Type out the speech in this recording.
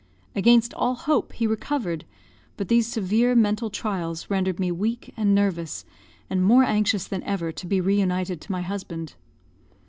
Against all hope, he recovered, but these severe mental trials rendered me weak and nervous, and more anxious than ever to be re united to my husband.